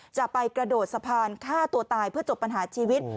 จะไปกระโดดสะพานฆ่าตัวตายเพื่อจบปัญหาชีวิต